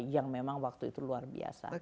yang memang waktu itu luar biasa